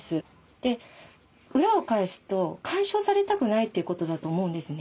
で裏を返すと干渉されたくないということだと思うんですね。